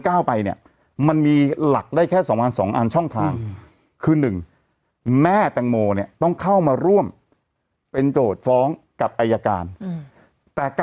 คุณพี่มดดำคุณต้องเข้าใจนะ